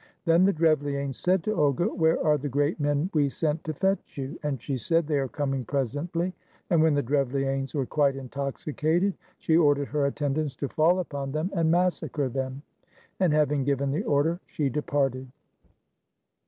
Then the Drevlianes said to Olga, "Where are the great men we sent to fetch you?" and she said, "They are coming presently:" and when the DrevUanes were quite intoxicated, she ordered her attendants to fall upon them and massacre them. And having given the order, she departed.